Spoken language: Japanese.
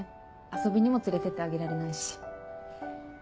遊びにも連れてってあげられないし。